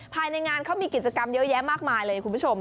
ภายในงานเขามีกิจกรรมเยอะแยะมากมายเลยคุณผู้ชม